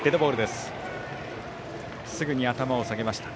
すぐに頭を下げました。